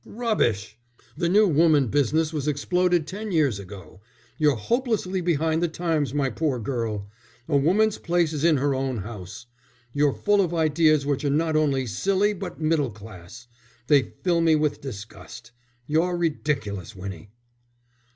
"Rubbish! The new woman business was exploded ten years ago; you're hopelessly behind the times, my poor girl. A woman's place is in her own house. You're full of ideas which are not only silly but middle class. They fill me with disgust. You're ridiculous, Winnie."